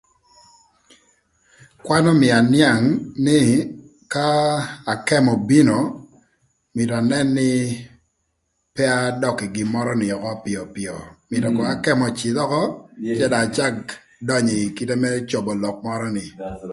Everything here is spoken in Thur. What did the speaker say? Kwan ömïa anïang nï ka akëmö obino mïtö anën nï pe adök ï gin mörö nï ökö öpïöpïö mïtö kono akëmö öcïdhi ökö cë dong acak dönyö ï kite më cobo lok mörö ni.